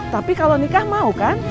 tapi kalau nikah mau kan